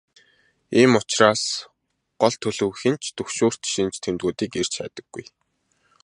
Ийм учраас гол төлөв хэн ч түгшүүрт шинж тэмдгүүдийг эрж хайдаггүй.